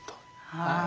はい。